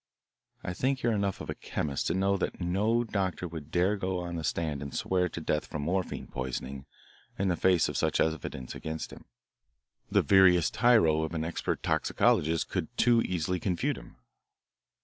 I think you are enough of a chemist to know that no doctor would dare go on the stand and swear to death from morphine poisoning in the face of such evidence against him. The veriest tyro of an expert toxicologist could too easily confute him."